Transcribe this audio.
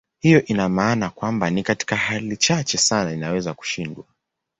Hiyo ina maana kwamba ni katika hali chache sana inaweza kushindwa.